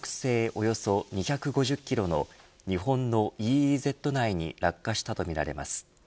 およそ２５０キロの日本のＥＥＺ内に落下したとみられます。